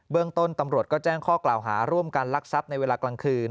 เรื่องต้นตำรวจก็แจ้งข้อกล่าวหาร่วมกันลักทรัพย์ในเวลากลางคืน